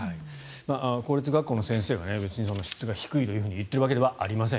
公立学校の先生が質が低いと言っているわけではありません。